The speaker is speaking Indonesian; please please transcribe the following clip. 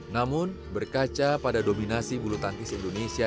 namun berkaca pada dominasi bulu tangkis indonesia